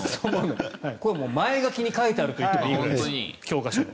これは前書きに書いてあるといってもいいぐらい。